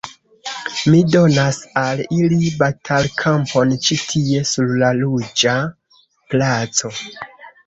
Mi donas al ili batalkampon ĉi tie, sur la Ruĝa Placo.